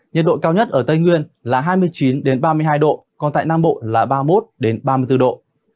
nhiệt độ cao nhất ở tây nguyên là hai mươi chín ba mươi hai độ còn tại nam bộ là ba mươi một ba mươi bốn độ